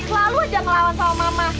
selalu aja ngelawan sama mama